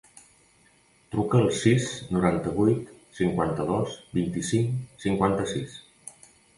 Truca al sis, noranta-vuit, cinquanta-dos, vint-i-cinc, cinquanta-sis.